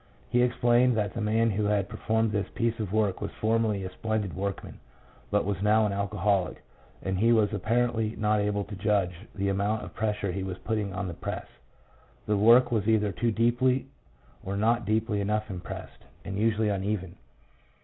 He explained that the man who had performed this piece of work was formerly a splendid workman, but was now an alcoholic, and he was apparently not able to judge the amount of pressure he was putting on the press ; the work was either too deeply or not deeply enough impressed, and usually uneven.